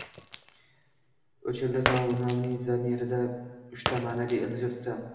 "Uch ildiz" nomining zamirida uchta ma`naviy ildiz yotibdi